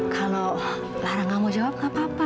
kalau lara gak mau jawab gak apa apa